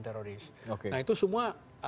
teroris nah itu semua